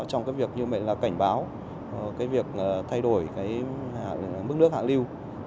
trong việc cảnh báo thay đổi mức nước hạng lưu